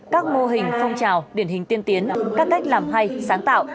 các mô hình phong trào điển hình tiên tiến các cách làm hay sáng tạo